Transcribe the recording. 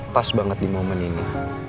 pas banget di momen ini